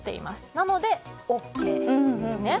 なので、ＯＫですね。